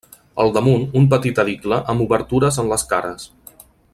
Al damunt, un petit edicle amb obertures en les cares.